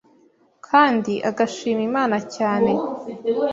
kandi agashima Imana cyane